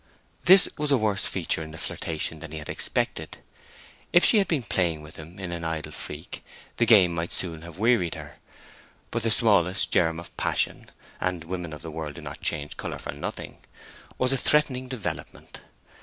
This was a worse feature in the flirtation than he had expected. If she had been playing with him in an idle freak the game might soon have wearied her; but the smallest germ of passion—and women of the world do not change color for nothing—was a threatening development.